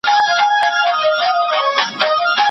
او پر ځای د چڼچڼیو توتکیو